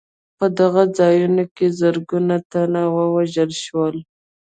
په دغو ځایونو کې زرګونه تنه ووژل شول.